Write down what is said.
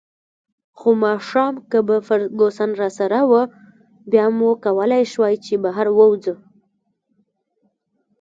خو ماښام که به فرګوسن راسره وه، بیا مو کولای شوای چې بهر ووځو.